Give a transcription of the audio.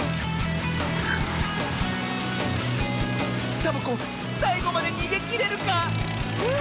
サボ子さいごまでにげきれるか⁉あ！